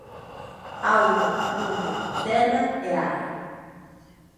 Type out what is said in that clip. Auga, lume, terra e ar.